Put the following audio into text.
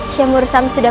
syekh mursam sudah